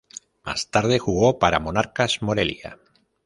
Más tarde jugó para Monarcas Morelia.